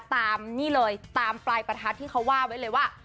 ตามนี่เลยตามปลายประทัดที่เขาว่าไว้เลยว่า